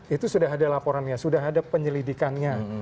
itu sudah ada laporannya sudah ada penyelidikannya